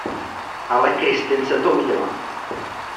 Ale Kristince to udělám.